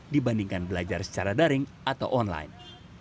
dibandingkan belajar secara daring atau online